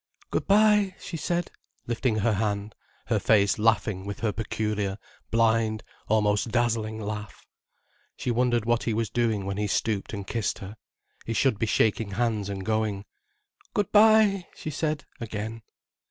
"Good bye," she said, lifting her hand, her face laughing with her peculiar, blind, almost dazzling laugh. She wondered what he was doing, when he stooped and kissed her. He should be shaking hands and going. "Good bye," she said again.